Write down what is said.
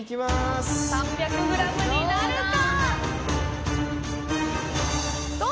３００ｇになるか！